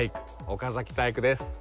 岡崎体育です